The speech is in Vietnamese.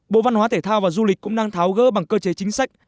bộ văn hóa thể thao và du lịch cũng đang tháo gỡ bằng cơ chế chính sách